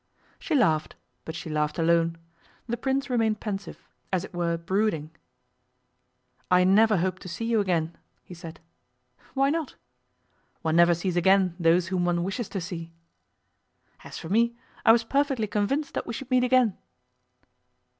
She laughed, but she laughed alone. The Prince remained pensive as it were brooding. 'I never hoped to see you again,' he said. 'Why not?' 'One never sees again those whom one wishes to see.' 'As for me, I was perfectly convinced that we should meet again.